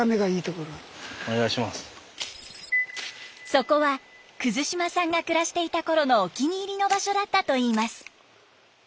そこは島さんが暮らしていたころのお気に入りの場所だったといいます。